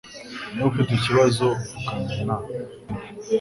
Niba ufite ikibazo, vugana na .